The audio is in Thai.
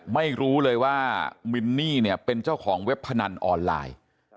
ไม่รู้เลยว่ามินนี่เนี่ยเป็นเจ้าของเว็บพนันออนไลน์